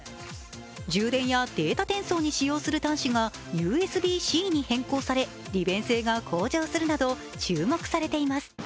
充電やデータ転送に使用する端子がＵＳＢ−Ｃに変更され利便性が向上するなど、注目されています。